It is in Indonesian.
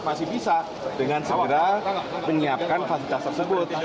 masih bisa dengan segera menyiapkan fasilitas tersebut